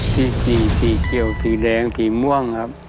สีสีเขียวสีแดงสีม่วงครับ